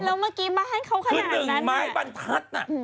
แล้วเมื่อกี้บ้านเขาขนาดที่หนึ่งไม้บรรทัดน่ะ